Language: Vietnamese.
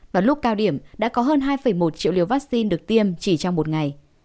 và lúc cao điểm đã có hơn hai một triệu liều vaccine được tiêm chỉ trong một ngày